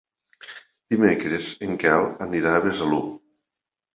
Dimecres en Quel anirà a Besalú.